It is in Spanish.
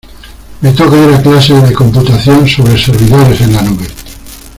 Me toca ir a clases de computación sobre servidores en la nube